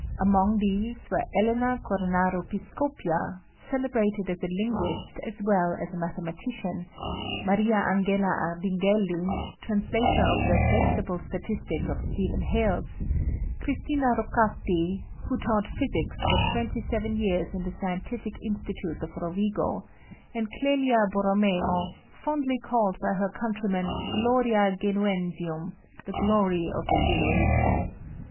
Among these were Elena Cornaro Piscopia, celebrated as a linguist as well as a mathematician; Maria Angela Ardinghelli, translator of the Vegetable Statics of Stephen Hales; Cristina Roccati, who taught physics for twenty seven years in the Scientific Institute of Rovigo, and Clelia Borromeo, fondly called by her countrymen gloria Genuensium the glory of the Genoese.